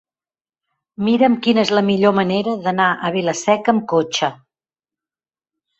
Mira'm quina és la millor manera d'anar a Vila-seca amb cotxe.